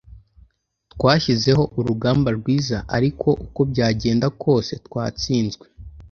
Twashyizeho urugamba rwiza ariko uko byagenda kose twatsinzwe